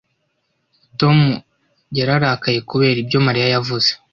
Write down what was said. tom yararakaye kubera ibyo mariya yavuze